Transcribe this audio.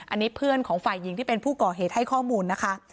อันนี้เพื่อนของฝ่ายหญิงที่เป็นผู้ก่อเหตุให้ข้อมูลนะคะ